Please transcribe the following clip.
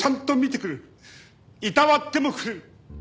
いたわってもくれる。